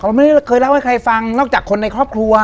ไม่ได้เคยเล่าให้ใครฟังนอกจากคนในครอบครัว